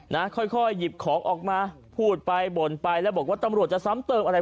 นะค่อยค่อยหยิบของออกมาพูดไปบ่นไปแล้วบอกว่าตำรวจจะซ้ำเติมอะไร